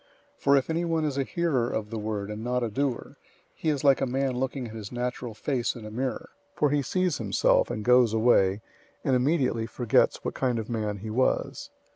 001:023 For if anyone is a hearer of the word and not a doer, he is like a man looking at his natural face in a mirror; 001:024 for he sees himself, and goes away, and immediately forgets what kind of man he was.